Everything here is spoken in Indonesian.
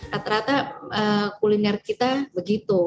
rata rata kuliner kita begitu